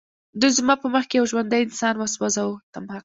دوی زما په مخ کې یو ژوندی انسان وسوځاوه